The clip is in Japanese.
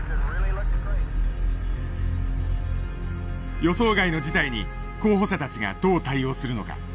予想外の事態に候補者たちがどう対応するのか。